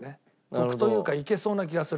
得というかいけそうな気がする。